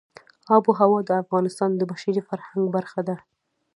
آب وهوا د افغانستان د بشري فرهنګ برخه ده.